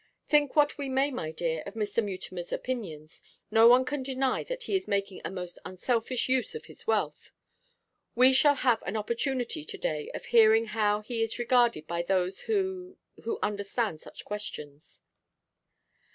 'Think what we may, my dear, of Mr. Mutimer's opinions, no one can deny that he is making a most unselfish use of his wealth. We shall have an opportunity to day of hearing how it is regarded by those who who understand such questions.